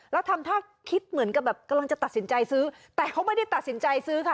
แล้วทำท่าคิดเหมือนกับแบบกำลังจะตัดสินใจซื้อแต่เขาไม่ได้ตัดสินใจซื้อค่ะ